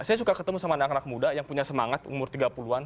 saya suka ketemu sama anak anak muda yang punya semangat umur tiga puluh an